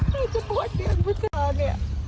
เกิดจะบวชเดือนปัญหาเนี่ย